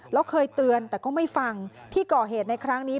แล้วเคยเตือนแต่ก็ไม่ฟังที่ก่อเหตุในครั้งนี้